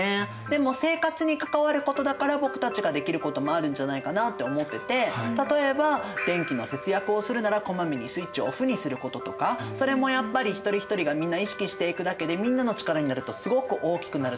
でも生活に関わることだから僕たちができることもあるんじゃないかなって思ってて例えば電気の節約をするならこまめにスイッチをオフにすることとかそれもやっぱり一人ひとりがみんな意識していくだけでみんなの力になるとすごく大きくなると思うんですよね。